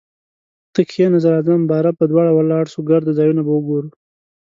ته کښینه زه راځم باره به دواړه ولاړسو ګرده ځایونه به وګورو